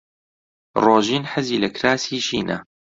ڕۆژین حەزی لە کراسی شینە.